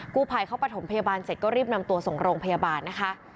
กู้ภัยเขาประถมพยาบาลเสร็จก็รีบนำตัวส่งโรงพยาบาลนะคะ